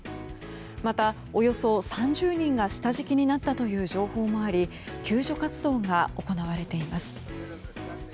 また、およそ３０人が下敷きになったという情報もあり救助活動が行われています。